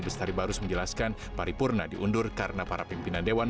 bestari barus menjelaskan paripurna diundur karena para pimpinan dewan